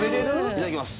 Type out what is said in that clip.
いただきます。